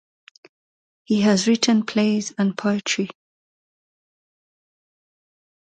He has also written plays and poetry.